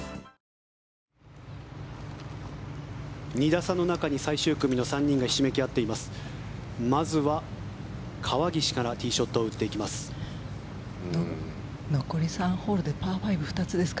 ２打差の中に最終組の３人がひしめき合っています。